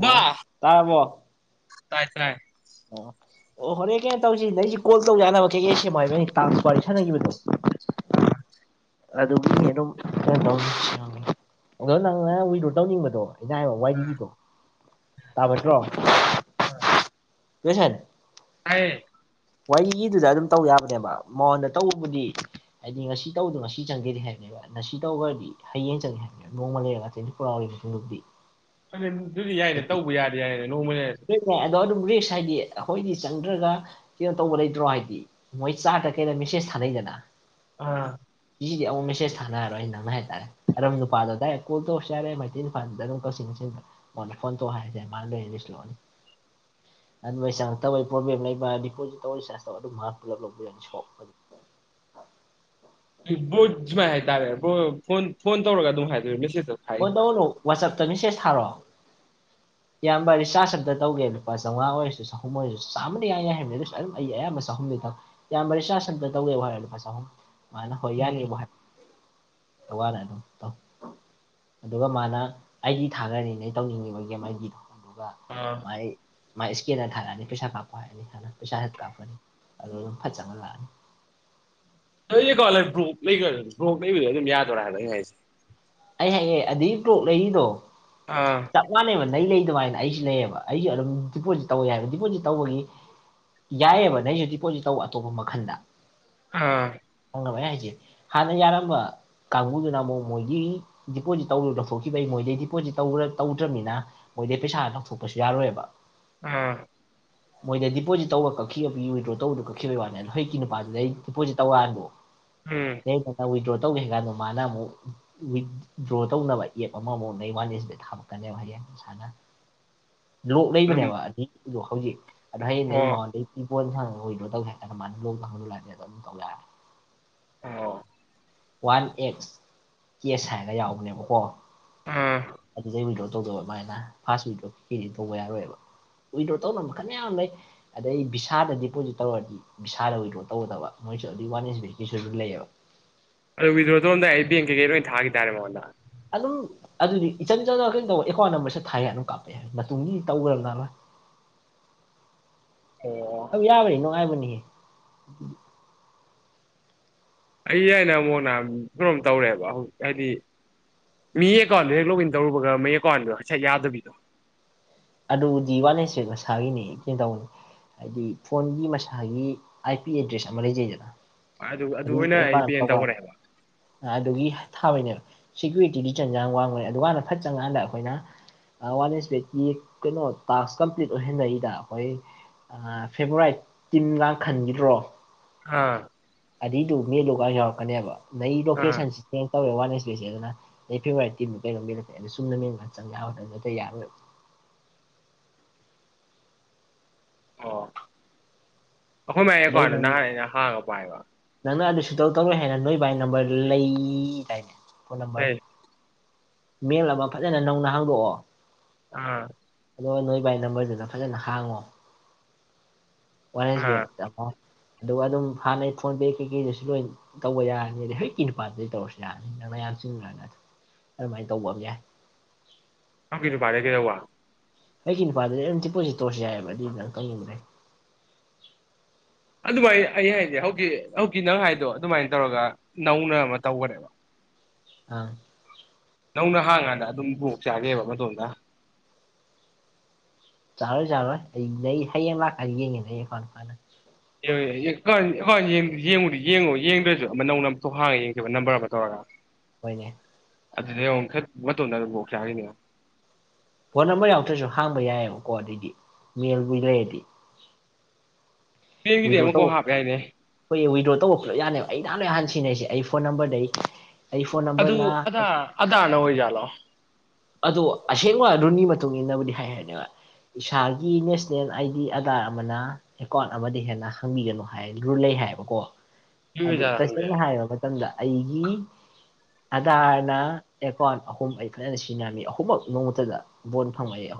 ꯕꯥ ꯇꯥꯔꯕꯣ ꯇꯥꯏ ꯇꯥꯏ ꯑꯣ ꯑꯣ ꯍꯣꯔꯦꯟ ꯀꯩꯅꯣ ꯇꯧꯁꯤꯗ ꯑꯩꯁꯦ ꯀꯣꯜ ꯇꯧꯖꯥꯅꯕ ꯀꯩꯀꯦ ꯑꯩ ꯁꯦ ꯍꯥꯏꯕꯩ ꯇꯥꯡꯁꯨ ꯋꯥꯔꯤ ꯁꯥꯟꯅꯈꯤꯕꯗꯣ ꯑꯥ ꯑꯗꯨ ꯑꯗꯨꯝ ꯀꯩꯅꯣ ꯇꯧꯅꯤ ꯑꯗꯣ ꯅꯪꯅ ꯋꯤꯗ꯭ꯔꯣ ꯇꯧꯅꯤꯡꯕꯗꯣ ꯏꯅꯥꯕ ꯑꯥ ꯋꯥꯔꯤꯏꯔꯤꯒꯤꯗꯣ ꯇꯥꯕꯠꯇ꯭ꯔꯣ [unintelligible] ꯍꯥꯏꯌꯦ ꯋꯥꯔꯤꯒꯤꯗꯨꯗ ꯑꯗꯨꯝ ꯇꯧ ꯌꯥꯕꯅꯦꯕ ꯃꯉꯣꯟꯗ ꯇꯧꯕꯕꯨꯗꯤ ꯍꯥꯏꯗꯤ ꯉꯁꯤ ꯇꯧꯕꯗꯣ ꯉꯁꯤ ꯆꯪꯒꯦꯗꯤ ꯍꯥꯏꯕꯅꯦꯕ ꯉꯁꯤ ꯇꯧꯈꯔꯗꯤ ꯍꯌꯦꯡ ꯆꯪꯉꯦ ꯍꯥꯏꯕꯅꯤꯅ ꯅꯣꯡꯃ ꯂꯩꯔꯒ ꯇꯨꯟꯇꯤ [unintelligible] ꯑꯗꯨ ꯑꯗꯨꯗꯤ ꯌꯥꯏꯅꯦ ꯇꯧꯕ ꯌꯥꯔꯦꯗꯤ ꯌꯥꯏꯅꯦ ꯅꯣꯡꯃ ꯂꯩꯔ ꯅꯦ ꯑꯗꯣ ꯑꯗꯨꯝ ꯔꯤꯛꯁ ꯍꯥꯏꯗꯤ ꯑꯩꯈꯣꯏꯗꯤ ꯆꯪꯗ꯭ꯔꯒ ꯀꯩꯅꯣ ꯇꯧꯕ ꯂꯩꯇ꯭ꯔꯣ ꯍꯥꯏꯗꯤ ꯃꯣꯏ ꯆꯥꯗ ꯀꯩꯗ ꯃꯦꯁꯦꯖ ꯊꯥꯅꯩꯗꯅ ꯑ ꯁꯤꯁꯤꯗꯤ ꯑꯃꯨꯛ ꯃꯦꯁꯦꯁ ꯊꯥꯅꯔꯣꯏ ꯅꯪ ꯍꯥꯏꯇꯥꯔꯦ ꯑꯗꯨꯝ ꯅꯨꯄꯗ ꯗꯤꯔꯦꯛ ꯀꯣꯜ ꯇꯧꯔꯁꯨ ꯌꯥꯔꯦ ꯃꯩꯇꯩ ꯅꯨꯄꯥ ꯗ ꯑꯗꯨꯝ ꯀꯛꯆꯤꯡ ꯃꯁꯦꯟꯗ ꯑꯣ ꯐꯣꯟ ꯇꯣ ꯍꯥꯏꯁꯦ ꯃꯥꯏꯗ ꯅꯤꯁꯂꯣꯅꯤ ꯑꯗꯨ ꯃꯩ ꯆꯥꯡ ꯇꯥꯕꯩ ꯄ꯭ꯔꯣꯕ꯭ꯂꯦꯝ ꯂꯩꯕ ꯗꯤꯄꯣꯖꯤꯠ ꯇꯧ ꯆꯔꯖ ꯇꯧ ꯑꯗꯨꯝ [unintelligible] ꯕꯣꯠ ꯁꯨꯃꯥꯏꯅ ꯍꯥꯏꯇꯥꯔꯦ ꯕꯔꯣ ꯐꯣꯟ ꯐꯣꯟ ꯇꯧꯔꯒ ꯑꯗꯨꯝ ꯍꯥꯏꯗꯣꯏꯔꯣ ꯃꯦꯁꯦꯖꯇ ꯐꯣꯟ ꯊꯥꯔꯛꯏꯁꯤꯔꯥ ꯇꯧꯑꯣꯅꯣ ꯋꯥꯆꯞꯇ ꯃꯦꯁꯦꯁ ꯊꯥꯔꯛꯑꯣ ꯏꯌꯥꯝꯕ ꯔꯤꯆꯥꯔꯖ ꯑꯝꯇꯧꯒꯦ ꯂꯨꯄꯥ ꯆꯥꯝꯉ ꯑꯣꯏꯔꯁꯨ ꯆꯍꯨꯝ ꯑꯣꯏꯔꯁꯨ ꯆꯥꯝꯃꯗ ꯌꯥꯏ ꯌꯥꯏ ꯍꯥꯏꯕꯅꯤ ꯑꯗꯨꯁꯨ ꯑꯗꯨꯝ ꯑꯩ ꯑꯌꯥꯝꯕ ꯆꯍꯨꯝꯗꯤ ꯇꯧ ꯏꯌꯥꯝꯕꯥ ꯔꯤꯆꯥ꯭ꯔꯁ ꯑꯃꯇꯥ ꯇꯧꯒꯦ [unintelligible] ꯂꯨꯄꯥ ꯆꯥꯍꯨꯝ ꯃꯥꯅ ꯍꯣꯏ ꯎꯝ ꯌꯥꯅꯤꯕꯨ ꯍꯥꯏ [unintelligible] ꯑꯗꯨꯒ ꯃꯥꯅ ꯑꯩꯗꯤ ꯊꯥꯈꯅꯤꯅꯦ ꯑꯩ ꯇꯧꯅꯤꯡꯉꯤꯕ ꯒꯦꯝ ꯑꯩꯒꯤꯗꯣ ꯑꯗꯨꯒ ꯑ ꯃꯥꯏ ꯃꯥꯏ ꯏꯁꯀꯦꯟꯗ ꯊꯥꯔꯛꯑꯅꯤ ꯄꯩꯁꯥ ꯀꯥꯞꯄꯣ ꯍꯥꯏꯔꯛ ꯑꯥꯅꯤ ꯄꯩꯁꯥ ꯍꯦꯠ ꯀꯥꯞꯄꯅꯤ ꯑꯗꯨ ꯑꯗꯨꯝ ꯐꯠ ꯆꯪꯍꯜꯂꯛꯑꯅꯤ [unintelligible] ꯀꯣꯂꯔ ꯕ꯭ꯔꯣꯛ ꯂꯩꯈ ꯕ꯭ꯔꯣꯛ ꯂꯩꯕꯗꯣ ꯑꯗꯨꯝ ꯌꯥꯗꯣꯔꯦ ꯍꯥꯏꯕꯥ ꯑꯩ ꯍꯥꯏꯁꯦ ꯑꯩ ꯍꯥꯌꯦ ꯑꯗꯨꯏ ꯇꯣꯛ ꯂꯩꯔꯤꯗꯣ ꯑꯥ ꯆꯞ ꯃꯥꯟꯅꯦꯕ ꯅꯪ ꯂꯩ ꯑꯗꯨꯃꯥꯏꯅ ꯑꯩꯁꯨ ꯂꯩꯌꯦꯕ ꯑꯩꯁꯨ ꯑꯗꯨꯝ ꯗꯤꯄꯣꯖꯤꯠ ꯇꯧꯋꯦ ꯌꯥꯏꯑꯕ ꯗꯤꯄꯣꯖꯤꯠ ꯇꯧꯕꯒꯤ ꯌꯥꯏꯑꯕ ꯅꯪꯁꯨ ꯗꯤꯄꯣꯖꯤꯠ ꯇꯧꯕ ꯑꯇꯣꯞꯄ ꯃꯈꯜꯗ ꯑꯥ ꯐꯪꯉꯕ ꯑꯩ ꯍꯥꯏꯁꯦ ꯍꯥꯟꯅ ꯌꯥꯔꯝꯕ ꯀꯥꯡꯕꯨꯗꯨꯅ ꯑꯃꯨꯛ ꯃꯣꯏꯒꯤ ꯗꯤꯄꯣꯖꯤꯠ ꯇꯧꯔꯨꯗ ꯊꯣꯛꯈꯤꯕ ꯑꯩ ꯃꯣꯏꯗꯒꯤ ꯗꯤꯄꯣꯖꯤꯠ ꯇꯧꯔ ꯇꯧꯗ꯭ꯔꯕꯅꯤꯅ ꯃꯣꯏꯗꯩ ꯄꯩꯁꯥ ꯂꯧꯊꯣꯛꯄꯁꯨ ꯌꯥꯔꯣꯏꯕ ꯑ [inaudible] ꯃꯣꯏꯗ ꯗꯤꯄꯣꯠ ꯇꯧꯕ ꯀꯛꯈꯤꯕ ꯋꯤꯗ꯭ꯔꯣ ꯇꯧꯕꯗꯣ ꯀꯛꯈꯤꯕꯒꯤ ꯋꯥꯅꯦ ꯑꯗꯨ ꯍꯧꯖꯤꯛꯀꯤ ꯅꯨꯄꯥꯗꯨꯗꯑꯩ ꯗꯤꯄꯣꯖꯤꯠ ꯇꯧꯔꯥꯟꯥꯕꯣ [inaudible] ꯎꯝ [unintelligible] ꯋꯤꯗ꯭ꯔꯣ ꯇꯧꯒꯦ ꯍꯥꯏꯀꯥꯟꯗ ꯃꯥꯅ ꯑꯃꯨꯛ ꯋꯤ ꯗ꯭ꯔꯣ ꯇꯧꯅꯕ ꯒꯦꯝ ꯑꯃꯃꯨꯛ [unintelligible] ꯊꯥꯃꯛꯛꯀꯅꯦꯕ ꯍꯌꯦꯡ ꯁꯥꯅ ꯂꯣꯛ ꯑꯗꯨꯝ ꯂꯩꯕꯅꯦꯕ ꯑꯗꯩꯗꯨ ꯍꯧꯖꯤꯛ ꯑꯗꯣ ꯍꯌꯦꯡ ꯑꯩ ꯑꯣ ꯃꯥꯉꯣꯟꯗꯩ [unintelligible] ꯑꯣ ꯋꯥꯟ ꯑꯦꯛꯁ ꯀꯦꯁ ꯍꯥꯏꯔꯒ ꯌꯥꯎꯕꯅꯦꯕꯀꯣ ꯑꯥ ꯑꯗꯨꯗꯩ ꯋꯤꯗ꯭ꯔꯣ ꯇꯧꯗꯧꯕ ꯑꯗꯨꯃꯥꯏꯅ ꯐꯥꯁ ꯋꯤꯗ꯭ꯔꯣ ꯀꯨꯖꯤꯗꯤ ꯇꯧꯕ ꯌꯥꯔꯣꯏꯑꯕ ꯋꯤꯗ꯭ꯔꯣ ꯇꯧꯅꯕ ꯃꯈꯜ ꯃꯌꯥꯝ ꯂꯩ ꯑꯗꯩ ꯕꯤꯚꯤꯁꯥꯗ ꯗꯤꯄꯣꯖꯤꯠ ꯇꯧꯔꯗꯤ ꯕꯤꯚꯤꯁꯥꯗ ꯋꯤꯗ꯭ꯔꯣ ꯇꯧꯒꯗꯕ ꯃꯣꯏꯁꯨ ꯑꯗꯨ ꯋꯥꯟ ꯑꯦꯟꯁ ꯀꯤꯁꯨ ꯂꯩꯌꯦꯕ ꯑꯗꯣ ꯋꯤꯗ꯭ꯔꯣ ꯇꯧꯔꯝꯗꯥꯏ ꯕꯦꯡ ꯇꯒꯤ ꯂꯣꯏ ꯊꯥꯈꯤ ꯇꯔꯦ ꯃꯉꯣꯟꯗ ꯑꯗꯨꯝ ꯑꯗꯨꯗꯤ ꯏꯆꯟ ꯏꯆꯟꯅꯅ ꯀꯩꯅꯣ ꯇꯧꯕ ꯑꯦꯀꯥꯎꯟ ꯅꯝꯕꯔꯁꯦ ꯊꯥꯏꯒ ꯑꯗꯨꯝ ꯀꯥꯞꯄꯛꯑꯦ ꯃꯇꯨꯡꯒꯤꯗꯤ ꯇꯧꯗ꯭ꯔꯕ ꯅꯅ [inaudible] ꯑꯣ ꯑꯗꯨ ꯌꯥꯕꯅꯤ ꯅꯨꯡꯉꯥꯏꯕꯅꯤꯍꯦ ꯑꯩ ꯍꯥꯏꯅ ꯑꯃꯨꯛ ꯅꯍꯥꯟ ꯀꯩꯅꯣꯝ ꯇꯧꯔꯦꯕ ꯍꯧꯖꯤꯛ ꯍꯥꯏꯗꯤ ꯃꯤ ꯑꯦꯀꯥꯎꯟꯗꯨ ꯍꯦꯛ ꯂꯣꯛ ꯏꯟ ꯇꯧꯔꯨꯕꯒ ꯃꯩ ꯑꯦꯀꯥꯎꯟꯗꯣ ꯉꯩꯁ ꯌꯥꯗꯕꯤꯗꯣ ꯑꯗꯨꯗꯤ ꯋꯥꯠꯅꯦꯁꯦ ꯃꯁꯥꯒꯤꯅꯤ ꯀꯩꯅ ꯇꯧꯅꯤ ꯍꯥꯏꯗꯤ ꯐꯣꯟꯒꯤ ꯃꯁꯥꯒꯤ ꯑꯥꯏ ꯄꯤ ꯑꯦꯗ꯭ꯔꯦꯁ ꯑꯃ ꯂꯩꯖꯩꯗꯅ ꯑꯗꯨ ꯑꯗꯨ ꯑꯗꯨꯒꯤ ꯑꯣꯏꯅ ꯑꯩ ꯑꯦꯀꯥꯎꯟ ꯑꯃ ꯄꯦꯟ ꯇꯧꯀꯥꯟꯗ ꯇꯧꯈꯔꯦꯕ ꯑꯗꯨꯒꯤ ꯊꯥꯕꯩꯅꯦꯕ ꯁꯦꯀ꯭ꯌꯨꯔꯤꯇꯤꯗꯤ ꯆꯟꯖꯥꯡ ꯋꯥꯡꯕꯅꯦ ꯑꯗꯨꯀꯥꯟꯗ ꯐꯠ ꯆꯪꯀꯥꯟꯗ ꯑꯩꯈꯣꯏꯅ ꯋꯥꯟ ꯑꯦꯁꯄꯦꯠꯀꯤ ꯀꯩꯅꯣ ꯇꯥꯛꯁ ꯀꯝꯄ꯭ꯂꯤꯠ ꯑꯣꯏꯍꯟꯂꯛꯏꯗ ꯑꯩꯈꯣꯏ ꯑ ꯐꯦꯕꯔꯥꯏꯠ ꯇꯤꯝ ꯂꯥꯡ ꯈꯟꯈꯤꯗ꯭ꯔꯣ ꯑꯥ ꯑꯗꯨꯏꯗꯨ ꯃꯦꯗꯨꯨꯒ ꯌꯥꯎꯔꯛꯀꯅꯦꯕ ꯅꯪ ꯑꯥ ꯂꯣꯀꯦꯁꯟꯁꯤ ꯆꯦꯟ ꯇꯧꯔꯦ ꯋꯥꯟ ꯑꯦꯁ ꯕꯤꯁꯦ ꯑꯗꯨꯅ ꯑꯩ ꯐꯦꯚꯣꯔꯔꯤꯠ ꯇꯤꯝ ꯀꯩꯅꯣ ꯃꯤ ꯅꯦ ꯑꯗ ꯁꯨꯝꯅ ꯃꯤꯡꯒ ꯆꯪ ꯌꯥꯕ ꯃꯇꯝꯗ ꯅꯠꯇ ꯌꯥꯔꯣꯏꯕ ꯑꯣ ꯑꯩꯈꯣꯏ ꯃꯥꯏ ꯑꯗꯩ ꯑꯦꯀꯥꯎꯟ ꯑꯗꯨ ꯅꯪ ꯅꯍꯥꯟ ꯑꯩꯅ ꯍꯥꯡꯉ ꯄꯥꯏꯕ ꯅꯪꯅ ꯑꯗꯨ ꯁꯨꯡꯇꯧ ꯇꯧꯔꯣꯏ ꯍꯥꯏꯔ ꯅꯣꯏ ꯕꯥꯏ ꯅꯝꯕꯔꯗꯨ ꯂꯩꯗꯥꯏꯅꯦ ꯐꯣꯟ ꯅꯝꯕꯔ ꯑꯩ ꯃꯦꯜꯂꯒ ꯐꯖꯅ ꯅꯧꯅ ꯍꯥꯡꯗꯣꯛꯑꯣ ꯑꯥ ꯑꯗꯣ ꯅꯣꯏ ꯕꯥꯏ ꯅꯝꯕꯔꯗꯨꯗ ꯐꯖꯅ ꯍꯥꯡꯉꯣ ꯋꯥꯟ ꯑꯦꯁ ꯕꯦꯝ ꯑꯥ ꯆꯪꯉꯣ ꯑꯗꯨꯒ ꯑꯗꯨꯝ ꯍꯥꯟꯅꯩ ꯐꯣꯟ ꯄꯦ ꯀꯩꯀꯩꯗꯁꯨ ꯂꯣꯏ ꯇꯧꯕ ꯌꯥꯔꯅꯤ ꯍꯧꯖꯤꯛꯀꯤ ꯅꯨꯄꯥꯗꯗꯤ ꯇꯧꯔꯁꯨ ꯌꯥꯔꯅꯤ ꯅꯪꯅ ꯌꯥꯝ ꯆꯤꯟꯈ꯭ꯔꯒꯅ ꯑꯗꯨꯃꯥꯏꯅ ꯇꯧꯕ ꯑꯃ ꯌꯥꯏ ꯅꯪꯒꯤ ꯅꯨꯄꯥꯗꯤ ꯀꯩꯗꯧꯕ ꯑꯩꯒꯤ ꯅꯨꯄꯥꯗꯗꯤ ꯑꯗꯨꯝ ꯇꯤꯄꯣꯁꯤ ꯇꯣꯔꯔꯁꯨ ꯌꯥꯑꯦꯕ ꯑꯗꯨꯏ ꯅꯪ ꯀꯛꯅꯤꯡꯗ꯭ꯔꯦ ꯑꯗꯨꯃꯥꯏꯅ ꯑꯩ ꯍꯥꯏꯗꯤ ꯍꯧꯖꯤꯛ ꯍꯧꯀꯤ ꯅꯪ ꯍꯥꯏꯗꯣ ꯑꯗꯨꯃꯥꯏꯅ ꯇꯧꯔꯒ ꯅꯧꯅ ꯑꯃ ꯇꯧꯈꯅꯦꯕ ꯑꯥ ꯅꯧꯅ ꯍꯥꯡꯀꯥꯟꯗ ꯑꯗꯨꯝ ꯕꯣꯛ ꯆꯥꯅꯤꯕ ꯃꯗꯣꯝꯗ ꯆꯥꯔꯣꯏ ꯆꯥꯔꯣꯏ ꯑꯩ ꯍꯌꯦꯡ ꯂꯥꯛꯀꯅꯤ ꯌꯦꯡꯉꯤ ꯑꯩ ꯑꯦꯀꯥꯎꯟ ꯃꯈꯥꯗ ꯑꯦ ꯌꯦꯡꯉꯨꯗꯤ ꯌꯦꯡꯉꯨ ꯌꯦꯡꯗ꯭ꯔꯁꯨ ꯑꯃ ꯅꯧꯅ ꯑꯃꯝꯇꯣ ꯍꯥꯡꯉ ꯌꯦꯡꯖꯦꯕ ꯅꯝꯕꯔ ꯑꯃ ꯇꯧꯔꯒ [inaudible] ꯍꯣꯏꯅꯦ ꯑꯗꯨꯗꯤ ꯑꯃꯨꯛ ꯆꯠ ꯃꯇꯣꯟꯗ ꯑꯗꯨꯝ ꯕꯣꯛ ꯆꯥꯒꯤꯅꯤ ꯌꯦꯡꯉꯣ ꯐꯣꯟ ꯅꯝꯕꯔ ꯌꯥꯎꯗ꯭ꯔꯁꯨ ꯍꯥꯡꯕ ꯌꯥꯏꯑꯕꯀꯣ ꯑꯗꯩꯗꯤ ꯃꯦꯜꯕꯨ ꯂꯩꯔꯗꯤ ꯄꯦꯡꯒꯤꯗꯤ ꯋꯤꯗ꯭ꯔꯣ ꯑꯃꯨꯛꯄꯨ ꯇꯧꯕ ꯍꯥꯞ ꯌꯥꯏꯅꯦ ꯑꯩꯈꯣꯏ ꯋꯤꯗ꯭ꯔꯣ ꯇꯧꯕ ꯄꯨ ꯂꯣꯏ ꯌꯥꯅꯦꯕ ꯑꯩ ꯅꯍꯥꯟꯣꯏꯍꯥꯟ ꯁꯤꯟꯅꯔꯤꯁꯦ ꯑꯩ ꯐꯣꯟ ꯅꯝꯕꯔꯗꯩ ꯑꯩ ꯐꯣꯟ ꯑꯗꯨ ꯅꯝꯕꯔꯅ ꯑꯗꯥ ꯑꯗꯥꯅ ꯑꯣꯏꯖꯥꯠꯂꯣ ꯑꯗꯣ ꯑꯁꯦꯡꯕ ꯑꯗꯨꯒꯤ ꯃꯇꯨꯡ ꯏꯟꯅꯕꯨꯗꯤ ꯍꯥꯏ ꯍꯥꯏꯔꯅꯦꯕ ꯏꯁꯥꯒꯤ ꯅꯦꯁꯅꯦꯜ ꯑꯥꯏꯗꯤ ꯑꯗꯥ ꯑꯃꯅ ꯑꯦꯀꯥꯎꯟꯠ ꯑꯃ ꯍꯦꯟꯅ ꯍꯪꯕꯤꯒꯅꯨ ꯍꯥꯏ ꯔꯨꯜ ꯂꯩ ꯍꯥꯏꯕꯀꯣ ꯑꯗꯨ ꯑꯣꯏꯖꯥꯠꯂ ꯈꯪꯗꯦ ꯇꯁꯦꯡꯅ ꯍꯥꯏꯔꯕ ꯃꯇꯝꯗ ꯑꯩꯒꯤ ꯑꯙꯔꯅ ꯑꯦꯀꯥꯎꯟꯠ ꯑꯍꯨꯝ ꯐꯖꯅ ꯁꯤ ꯁꯤꯖꯤꯟꯅꯔꯝꯃꯤ ꯑꯍꯨꯝꯃꯛ ꯅꯣꯡꯃꯇꯗ ꯕꯣꯠ ꯐꯪꯅꯩ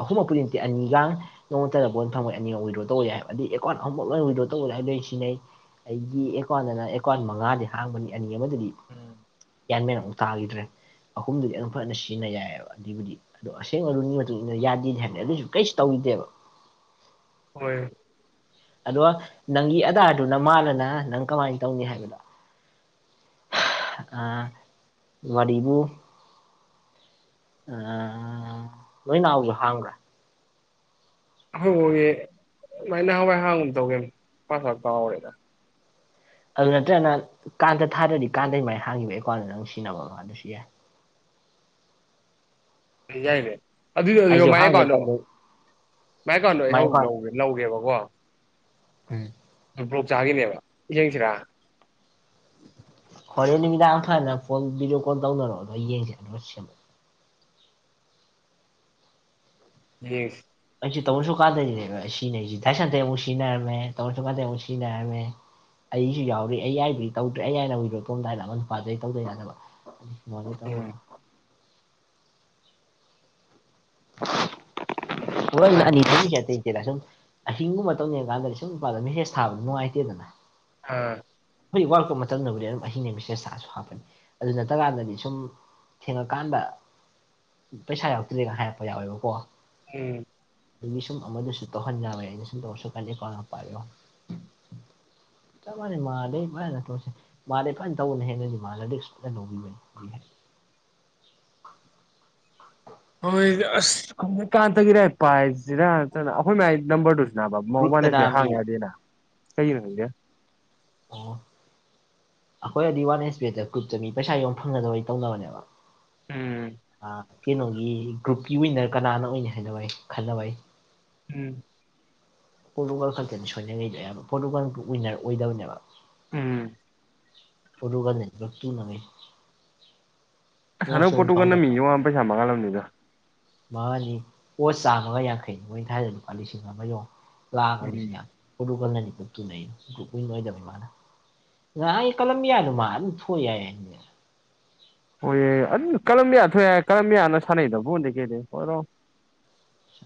ꯑꯍꯨꯝꯃꯛ ꯄꯨꯗꯤ ꯅꯠꯇꯦ ꯑꯅꯤꯒ ꯅꯣꯡꯃꯥꯇꯗ ꯕꯣꯟ ꯐꯪꯕꯩ ꯑꯅꯤꯔꯛ ꯋꯤꯗ꯭ꯔꯣ ꯇꯧꯕ ꯌꯥꯏꯕ ꯑꯗꯤ ꯑꯦꯀꯥꯎꯟꯠ ꯑꯃꯨꯛ ꯂꯣꯏ ꯋꯤꯗ꯭ꯔꯣ ꯇꯧꯔꯦ ꯍꯥꯏꯗꯤ ꯑꯩ ꯁꯤꯟꯅꯩ ꯑꯩꯒꯤ ꯑꯦꯀꯥꯎꯟꯠꯗꯅ ꯑꯦꯀꯥꯎꯟꯠ ꯃꯉꯥꯗꯤ ꯍꯥꯡꯕꯅꯤ ꯑꯅꯤ ꯑꯃꯗꯗꯤ ꯒ꯭ꯌꯥꯟꯃꯦꯟ ꯑꯃꯨꯛ ꯇꯥꯈꯤꯗ꯭ꯔꯦ ꯑꯍꯨꯝꯗꯨꯗꯤ ꯑꯗꯨ ꯐꯅ ꯁꯤꯟꯅ ꯌꯥꯏꯑꯕ ꯑꯗꯨꯏꯕꯨꯗꯤ ꯑꯗꯣ ꯑꯁꯦꯡꯕ ꯔꯨꯜꯒꯤ ꯃꯇꯨꯡꯏꯟꯅ ꯌꯥꯗꯦ ꯍꯥꯏꯕꯅ ꯑꯗꯨꯁꯨ ꯀꯩꯁꯨ ꯇꯧꯗꯦꯕ ꯍꯣꯏ ꯑꯗꯣ ꯅꯪꯒꯤ ꯑꯙꯥꯔꯗꯨꯅ ꯃꯥꯜꯂꯅ ꯅꯪ ꯀꯃꯥꯏ ꯇꯧꯅꯤ ꯍꯥꯏꯕꯗꯣ ꯑ ꯋꯥꯔꯤꯕꯨ ꯑ ꯅꯣꯏ ꯅꯥꯎꯁꯨ ꯍꯥꯡꯕ꯭ꯔꯥ ꯑꯩꯈꯣꯏ [unintelligible] ꯃꯥꯏ ꯅꯍꯥꯟꯋꯥꯏ ꯇꯧꯈꯤꯝꯅꯦ ꯄꯥꯁꯋꯥꯔꯗ ꯀꯥꯎꯔꯦꯗ ꯑꯗꯨ ꯅꯠꯇ꯭ꯔꯒꯅ ꯀꯥꯟꯗ ꯊꯥꯗꯗꯤ ꯀꯥꯟꯗꯩꯃꯥꯏꯅ ꯍꯥꯏꯝꯃꯦ ꯑꯦꯀꯥꯎꯟꯗ ꯅꯪ ꯁꯤꯅꯕ ꯑꯗꯨꯁꯨ ꯌꯥꯏ [unintelligible] ꯑꯗꯨ ꯑꯣꯏꯗꯤ ꯑꯩꯁꯨ ꯃꯥꯏ ꯍꯥꯡꯒꯦ ꯑꯀꯥꯎꯟꯠꯗꯣ ꯇꯟꯗ ꯃꯥꯏ ꯑꯀꯥꯎꯟꯠꯇꯣ ꯑꯩ ꯍꯧ ꯂꯧꯒꯦꯕꯀꯣ ꯎꯝ ꯕꯂꯣꯛ ꯆꯥꯈꯤꯅꯦꯕ ꯌꯦꯡꯁꯤꯔꯥ ꯍꯣꯔꯦꯟ ꯅꯨꯃꯤꯗꯥꯡ ꯊꯨ꯭ꯋꯥꯏꯅ ꯐꯣꯟ ꯚꯕꯤꯗꯤꯑꯣ ꯀꯣꯜ ꯇꯧꯅꯔꯣ ꯑꯗꯨ ꯌꯦꯡꯁꯦ ꯑꯗꯨ ꯁꯦꯝ ꯌꯦꯡꯁꯦ ꯑꯩꯁꯨ ꯇꯧꯔꯁꯨꯀꯥꯟꯅꯌꯦ ꯁꯤꯟꯅꯔꯤꯁꯤ ꯊꯥꯏꯁꯟꯇꯦ ꯑꯃꯨꯛ ꯁꯤꯟꯅꯔꯝꯃꯦ ꯇꯧꯟꯁꯨꯀꯥꯟꯗ ꯑꯃꯨꯛ ꯁꯤꯟꯅꯔꯝꯃꯦ ꯑꯩꯁꯨ ꯌꯥꯎꯔꯤ ꯑꯩ ꯌꯥꯏꯕꯩꯗꯤ ꯇꯧꯗ꯭ꯔꯦ ꯑꯩ ꯍꯥꯏꯅ ꯋꯤꯗ꯭ꯔꯣ ꯇꯧꯔꯝꯗꯥꯏꯅ ꯑꯃ ꯅꯨꯄꯥ ꯗꯨꯗꯩ ꯇꯧꯗꯥ ꯌꯥꯗꯕ ꯎꯝ [unintelligible] ꯍꯣꯏ ꯑꯗꯨꯃꯥꯏꯅ ꯑꯅꯤ ꯇꯧꯔꯦ ꯇꯨꯝꯃꯤꯁꯦ ꯑꯇꯩ ꯅꯠꯇꯦꯗ ꯁꯨꯝ ꯑꯍꯤꯡꯒꯨꯝꯕ ꯇꯧꯅꯤꯀꯥꯟꯗꯗꯤ ꯁꯨꯝ ꯅꯨꯄꯥꯗ ꯃꯦꯁꯦꯁ ꯊꯥꯕꯗꯨ ꯅꯨꯉꯥꯏꯇꯦꯗꯅ [unintelligible] ꯍꯣꯏ ꯋꯥꯔꯛꯄ ꯃꯇꯝꯗꯕꯨꯗꯤ ꯑꯗꯨꯝ ꯑꯍꯤꯡꯅꯦ ꯃꯦꯁꯦꯁ ꯊꯥꯁꯨ ꯍꯥꯞꯄꯅꯤ ꯑꯗꯨꯅ ꯇ꯭ꯔꯥꯝ ꯗꯗꯤ ꯁꯨꯝ ꯊꯦꯡꯑꯀꯥꯟꯗ ꯄꯩꯁꯥ ꯌꯥꯎꯔꯛꯇ꯭ꯔꯦ ꯍꯥꯏꯔꯛꯄ ꯌꯥꯎꯑꯦꯕꯀꯣ ꯎꯝ ꯃꯤ ꯁꯨꯝ ꯑꯃꯅꯁꯨ ꯇꯧꯍꯟꯌꯥꯋꯣꯏ ꯑꯩꯅ ꯁꯨꯝ ꯇꯧꯔꯁꯨ ꯀꯟꯗꯦꯀꯣꯅ ꯄꯥꯏꯌꯣ ꯆꯞ ꯃꯥꯟꯅꯩ ꯃꯥꯗꯤ ꯃꯥꯏꯅ ꯇꯧꯁꯦ ꯃꯥꯗꯤ ꯐꯖꯅ ꯇꯧ ꯍꯦꯟꯅꯗꯤ ꯃꯥꯜꯂꯥꯗꯤ ꯀꯩꯅꯣ ꯒꯤꯃꯦ ꯍꯣꯏ ꯑꯁ ꯑꯃꯨꯛ ꯄꯥꯟꯇꯒꯤ ꯂꯥꯏꯔꯤꯛ ꯄꯥꯏꯁꯤꯔꯥ ꯅꯇ꯭ꯔꯥꯅ ꯑꯩꯈꯣꯏ ꯃꯥꯏ ꯅꯝꯕꯔꯗꯨꯨ ꯅꯥꯕ ꯒ꯭ꯔꯨꯞꯇꯅ ꯃꯣꯋꯥꯟꯅꯥꯁꯦ ꯃꯤ ꯍꯥꯡꯉꯥ ꯗꯦꯅ ꯀꯩꯅ ꯍꯪꯒꯦ ꯑꯣ ꯑꯩꯈꯣꯏ ꯗꯤ ꯋꯥꯟ ꯍꯩ꯭ꯁꯄꯤꯗ ꯀꯨꯞꯇꯃꯤ ꯄꯩꯁꯥ ꯌꯧ ꯐꯪꯅꯒ ꯑꯣꯏꯇꯧꯅꯕꯅꯦꯕ ꯎꯝ ꯑꯥ ꯀꯩꯅꯣꯒꯤ ꯒ꯭ꯔꯨꯞꯀꯤ ꯑꯣꯏꯅ ꯀꯅꯥꯅ ꯑꯣꯏꯅ ꯍꯥꯏꯅꯕ ꯑꯩ ꯈꯟꯂꯣ ꯑꯩ ꯎꯝ ꯄꯣꯔꯇꯨꯒꯥꯜ ꯈꯛꯇꯅꯤ ꯁꯣꯏꯅꯥꯏꯉꯩꯗꯦꯕ ꯄꯣꯔꯇꯨꯒꯜ ꯋꯤꯟꯅꯔ ꯑꯣꯏꯗꯕꯅꯦꯕ ꯎꯝ ꯄꯣꯔꯇꯨꯒꯥꯜꯅ ꯂꯣꯠꯇꯨ ꯅꯪꯉꯦ ꯍꯟꯗꯛ ꯄꯣꯠꯇꯨꯒꯥꯜꯅ ꯃꯤ ꯌꯥꯡ ꯄꯩꯥꯁ ꯃꯪꯍꯜꯂꯝꯅꯤꯗꯥ ꯃꯥꯅꯤ ꯄꯣꯠ ꯆꯥꯝꯃꯒ ꯌꯥꯡꯈꯩꯅꯤ ꯃꯣꯏ ꯊꯥꯏꯔꯥ ꯂꯨꯄꯥ ꯂꯤꯁꯤꯡ ꯑꯃ ꯌꯣꯡ ꯂꯥꯛꯒ ꯎꯝ ꯂꯤꯁꯤꯡ ꯌꯥꯡ ꯄꯣꯔꯇꯨꯒꯜꯅꯅꯤ [inaudible] ꯅꯍꯥꯟ ꯑꯩ ꯀꯂꯝꯕꯤ꯭ꯌꯥꯗꯥ ꯃꯥ ꯑꯗꯨꯝ ꯊꯣꯛ ꯌꯥꯏ ꯍꯥꯏꯅꯦ ꯑꯣꯏꯌꯦ ꯑꯗꯨ ꯀꯂꯝꯕꯤꯌ ꯊꯣꯛꯑꯦ ꯍꯥꯏ ꯀꯂꯝꯕ꯭ꯌꯥꯅ ꯁꯥꯟꯅꯩꯗꯕꯣꯟꯗꯩ ꯀꯩꯗꯩ [unintelligible]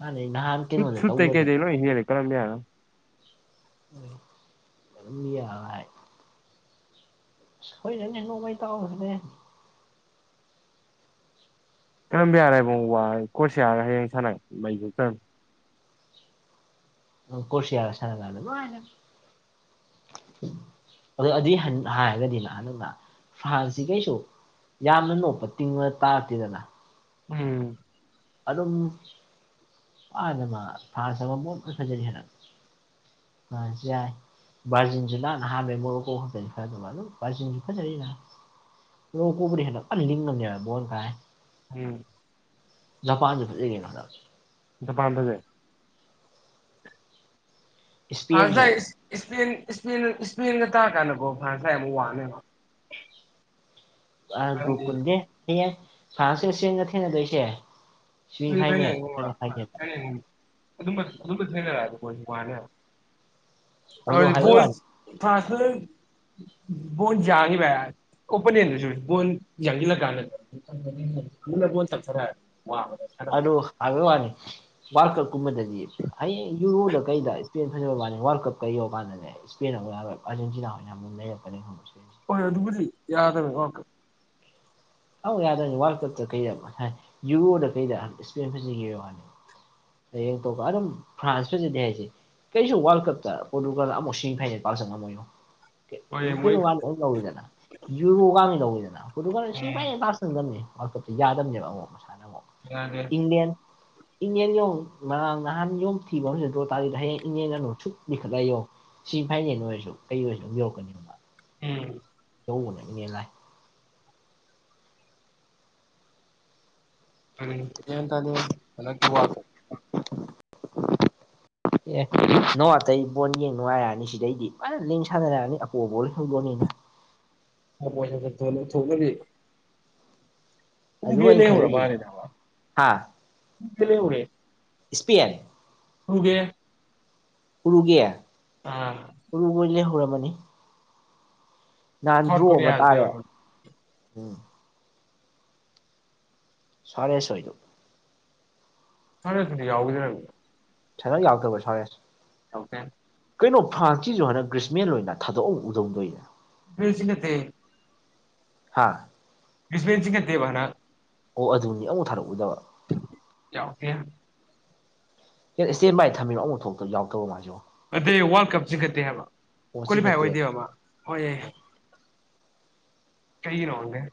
ꯃꯥꯅꯦ ꯅꯍꯥꯟ ꯀꯩꯅꯣꯗ ꯇꯧꯕꯗꯣ ꯑꯗꯨꯝ ꯌꯥꯏ ꯍꯣꯏꯅꯦꯅꯦ ꯅꯣꯡꯃꯣꯏ ꯇꯥꯎꯅꯦ ꯀꯔꯝꯕ꯭ꯌꯥꯔ ꯕꯣ ꯋꯥ ꯀ꯭ꯔꯣꯁꯤꯌꯥꯔ ꯍꯌꯦꯡ ꯁꯥꯟꯅꯩ ꯃꯥꯏ [unintelligible] ꯀꯣ꯭ꯔꯁꯤꯌꯥꯒ ꯁꯥꯟꯅꯒꯗ ꯂꯣꯏꯅ ꯑꯗꯨ ꯑꯗꯤ ꯍꯥꯟ ꯍꯥꯏꯔꯒꯗꯤꯅ ꯑꯗꯨꯅ ꯐꯥꯔꯟꯁꯇꯤ ꯀꯩꯁꯨ ꯌꯥꯝꯅ ꯅꯣꯛꯄ ꯇꯤꯡꯅ ꯇꯥꯛꯇꯦꯗꯅ ꯎꯝ ꯑꯗꯨꯝ [unintelligible] ꯊꯥꯁꯦ ꯑꯃꯨꯛ ꯐꯖꯔꯤ ꯍꯥꯏꯅ ꯐꯖꯩ ꯕꯔꯖꯤꯟꯖꯤꯅ ꯉꯍꯥꯟꯗꯩ ꯃꫭꯔꫭꯀꫭ ꯈꯛꯇꯅꯤ [unintelligible] ꯃꫭꯔꫭꯀꯣꯕꯨꯗꯩ ꯍꯦꯟꯅ ꯐꯅ ꯂꯤꯡꯉꯕꯅꯦꯕ ꯕꯣꯜ ꯐꯂꯥꯏ ꯎꯝ ꯖꯄꯥꯟꯖꯨ ꯐꯖꯩ ꯀꯩꯅꫭ ꯑꯗꫭ ꯖꯄꯥꯟ ꯐꯖꯩ ꯐꯔꯥꯟꯁ ꯏꯁꯄꯦꯟꯁꯨ ꯍꯥꯏ‌ ꯏꯁ ꯏꯁ ꯏꯁꯄꯦꯟꯒ ꯇꯔꯀꯥꯟꯗꯀꯣ ꯐ꯭ꯔꯥꯟꯁꯅ ꯑꯃꯨꯛ ꯋꯥꯡꯅꯦꯕ ꯑ ꯒ꯭ꯔꯨꯞ ꯍꯥꯏꯕꯗꯤ ꯄꯨꯟꯗꯦ ꯍꯌꯦꯡ ꯐ꯭ꯔꯥꯟꯁꯇ ꯆꯦꯟꯒ ꯊꯦꯡꯅꯗꯣꯏꯁꯦ [unintelligible] ꯁꯤꯃꯤ ꯐꯥꯏꯅꯦꯜ ꯅꯠꯇ꯭ꯔꯒ ꯐꯥꯏꯅꯦꯜꯗ ꯑꯗꯨ ꯑꯗꯨꯝꯕ ꯊꯦꯡꯅꯔꯛꯑ ꯃꯥꯅꯦ ꯑꯗꯣ ꯍꯥꯏꯕꯩ ꯋꯥꯅꯤ [unintelligible] ꯐꯔꯥꯟꯁꯅ ꯕꯣꯜ ꯌꯥꯡꯉꯤꯕ ꯑꯣꯄꯅꯦꯟꯗꯨꯁꯨ ꯕꯣꯜ ꯌꯥꯡꯖꯤꯜꯂꯀꯥꯟꯗ ꯑꯗꯨꯅ ꯕꯣꯜ ꯇꯞꯊꯔ ꯋꯥꯕꯅꯦ ꯁꯥꯟꯅꯕ ꯑꯗꯨ ꯍꯥꯏꯕꯋꯥꯅꯤ ꯋꯥꯜ ꯀꯞꯀꯨꯝꯕꯗꯗꯤ ꯍꯌꯦꯡ ꯌꯨꯔꯣꯗ ꯀꯩꯗ ꯏꯁꯄꯦꯟ ꯐꯅꯕ ꯃꯥꯅꯤ ꯋꯥꯔꯜ ꯀꯞ ꯀꯩ ꯌꯧꯔ ꯀꯥꯟꯗꯅꯦ ꯏꯁꯄꯦꯟ ꯑꯃꯨꯛ ꯌꯥꯔꯔꫭꯏ ꯑꯥꯔꯖꯦꯟꯇꯤꯅꯥ ꯑꯣꯏꯅ ꯑꯃꯨꯛ ꯅꯩꯔꯛꯄꯅꯦ [unintelligible] ꯍꯣꯏ ꯑꯗꯨꯕꯨꯗꯤ ꯌꯥꯗꯕ ꯋꯥꯜꯀꯞ ꯑꯧ ꯌꯥꯗꯣꯏꯅꯤ ꯋꯥꯜ ꯀꯞꯇ ꯀꯩꯗ ꯍꯥꯏ ꯌꯨꯔꯣꯗ ꯀꯩꯗ ꯏꯁꯄꯦꯟ ꯐꯖꯩꯌꫭ ꯍꯌꯦꯡ ꯊꫭꯛꯄ ꯑꯗꯨꯝ ꯐ꯭ꯔꯥꯟꯁ ꯐꯖꯗꯦ ꯍꯥꯏꯖꯦ ꯀꯩꯁꯨ ꯋꯥꯜ ꯀꯞꯇ ꯄꯣꯔꯇꯨꯒꯜ ꯑꯃꯨꯛ ꯁꯤ ꯐꯥꯏꯅꯦꯜ ꯄꯥꯛ ꯆꯪꯕ ꯉꯝꯃꫭꯏꯉꫭ [unintelligible] ꯍꯣꯏ ꯃꯣꯏ ꯈꯪꯗꯝꯅꯤ ꯎꯝ ꯋꯥꯔꯜ ꯀꯞꯇ ꯌꯥꯗꯕꯅꯦꯕ ꯑꯃꯨꯛ ꯃꯁꯥꯅ ꯑꯃꯨꯛ ꯌꯥꯗꯦ ꯏꯟꯗꯤꯌꯥꯟ [unintelligible] ꯁꯤꯃꯤ ꯐꯥꯏꯅꯦꯜ ꯑꯣꯏꯔꯁꯨ ꯀꯩ ꯑꯣꯏꯔꯁꯨ ꯑꯗꯨꯝ ꯌꯧꯔꯛꯀꯅꯤꯕ ꯎꯝ ꯇꯧꯕꯅꯦ ꯏꯅꯦ ꯂꯥꯏ ꯒꯤꯌꯥꯟ ꯇꯥꯗꯦ ꯍꯟꯗꯛꯀꯤ ꯋꯥꯜꯀꯞ [unintelligible] ꯑꯦ ꯅꯣ ꯑꯇꯩ ꯕꯣꯜ ꯌꯦꯡ ꯅꯨꯡꯉꯥꯏꯔꯛꯑꯅꯤ ꯁꯤꯗꯩꯗꯤ ꯐꯖꯅ ꯂꯤꯡ ꯁꯥꯟꯅꯔꯛꯑꯅꯤ ꯑꯄꯣ ꯕꯣꯜ ꯍꯧꯕꯣꯜꯅꯤꯅ [unintelligible] ꯑꯗꯨ ꯎꯕꯦꯜ ꯑꯩꯅ ꯂꯩꯍꯧꯔ ꯈꯜꯂꯤꯁꯤ ꯃꯥꯜꯂꯦꯗ ꯍꯥ ꯎꯕꯦꯜ ꯂꯩꯍꯧꯔꯦ ꯏꯁꯄꯦꯟ [unintelligible] ꯎꯔꯨꯒꯦ ꯑꯥ ꯎꯔꯨꯒꯣ ꯂꯩꯍꯧꯔꯝꯃꯥꯅꯤ ꯁꯥꯎꯠ ꯅꯍꯟꯗ꯭ꯔꯣ ꯑꯃ ꯀꯣꯔꯤꯌꯥꯗ ꯇꯥꯔꯦ ꯁꯥꯎꯠ ꯎꯝ ꯁꯔꯦꯁꯣꯏꯗꯨ [unintelligible] [inaudible] ꯑꯣꯀꯦ ꯀꯩꯅꯣ ꯐ꯭ꯔꯥꯟꯁꯤꯁꯨ ꯍꯟꯗꯛ ꯒ꯭ꯔꯤꯁꯃꯦꯟ ꯑꯣꯏꯅ ꯊꯥꯗꯣꯛꯑꯝ ꯎꯗꯧꯗꯣꯏꯅꯦ ꯄꯔꯤꯁꯤ ꯅꯠꯇꯦ ꯍꯥꯥ ꯏꯁꯄꯦꯟ ꯆꯤꯡꯈꯠꯇꯦꯕ ꯍꯟꯗꯛ ꯑꯣ ꯑꯗꯨꯅꯤ ꯑꯃꯨꯛ ꯊꯥꯔꯛꯎꯗꯕ ꯌꯥꯎꯇꯦ ꯍꯦꯠ ꯏꯁꯇꯦꯟ ꯕꯥꯏ ꯊꯝꯃꯤꯔꯣ ꯑꯃꯨꯛ ꯊꯣꯛꯇ ꯌꯥꯎꯗꯕ ꯃꯥꯏꯖꯤꯕꯣ ꯅꯠꯇꯦ ꯋꯥꯔꯜ ꯀꯞ ꯆꯤꯡꯈꯠꯇꯦ ꯍꯥꯏꯕ ꯑꯣ ꯀ꯭ꯋꯥꯂꯤꯐꯥꯏ ꯆꯤꯡꯈꯠꯇꯦ ꯑꯣꯏꯗꯦꯕ ꯍꯣꯏ ꯌꯥ ꯀꯩꯒꯤ ꯅꯣꯅꯦ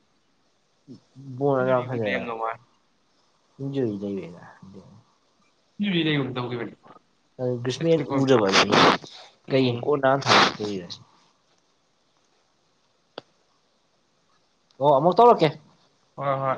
ꯂꯩꯔꯝꯗꯧ ꯃꯥꯜꯂꯦ [unintelligible] ꯏꯔꯨꯖ ꯂꯩꯕꯩ ꯃꯇꯝ ꯀꯨꯏꯕꯅꯤ ꯑꯗꯨ ꯒꯔꯤꯁꯃꯦꯟ ꯎꯖꯕ ꯀꯩ ꯎꯝ ꯀꯣꯟ ꯅꯥꯅ ꯊꯥꯔꯛ ꯀꯅꯤ ꯑꯣ ꯑꯃꯨꯛ ꯇꯧꯔꯛꯀꯦ ꯍꯣꯏ ꯍꯣꯏ